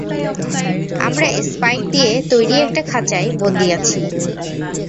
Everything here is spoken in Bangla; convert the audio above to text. আমরা স্পাইক দিয়ে তৈরি একটা খাঁচায় বন্দী আছি।